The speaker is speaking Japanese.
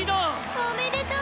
おめでとう。